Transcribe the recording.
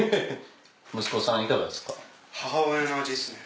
息子さんいかがですか？